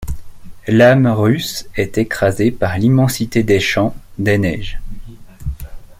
L'âme russe est écrasée par l'immensité des champs, des neiges.